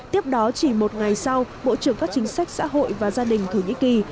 tiếp đó chỉ một ngày sau bộ trưởng các chính sách xã hội và gia đình thổ nhĩ kỳ